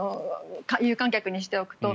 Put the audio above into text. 有観客にしておくと。